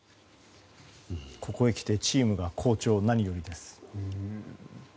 ここへきてチームが好調何よりです。